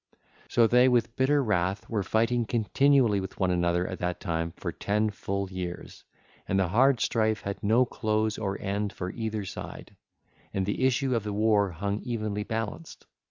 So they, with bitter wrath, were fighting continually with one another at that time for ten full years, and the hard strife had no close or end for either side, and the issue of the war hung evenly balanced.